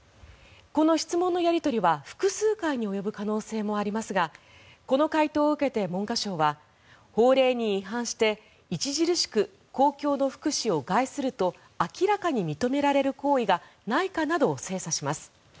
この質問のやり取りは複数回に及ぶ可能性もありますがこの回答を受けて文科省は法令に違反して著しく公共の福祉を害すると明らかに認められる行為がないかなどを精査します。